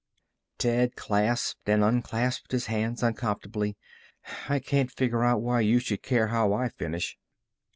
Ted clasped and unclasped his hands uncomfortably. "I can't figure out why you should care how I finish."